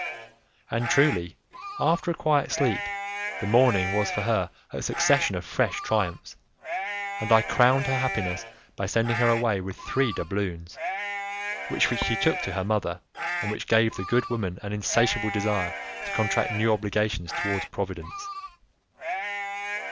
And truly, after a quiet sleep, the morning was for her a succession of fresh triumphs, and I crowned her happiness by sending her away with three doubloons, which she took to her mother, and which gave the good woman an insatiable desire to contract new obligations towards Providence.